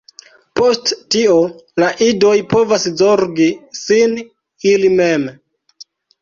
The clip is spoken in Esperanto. Post tio, la idoj povas zorgi sin ili mem.